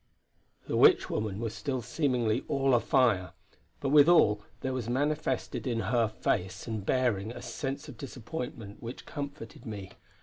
The witch woman was still seemingly all afire, but withal there was manifested in her face and bearing a sense of disappointment which comforted me.